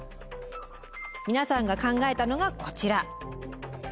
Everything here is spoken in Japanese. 皆さんが考えたのがこちら。